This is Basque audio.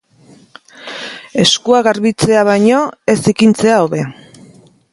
Eskuak garbitzea baino, ez zikintzea hobe.